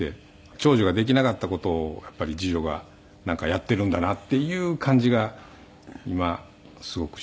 長女ができなかった事をやっぱり次女がやっているんだなっていう感じが今すごくして。